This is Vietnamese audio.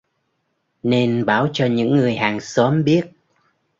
Nên báo cho những người hàng xóm biết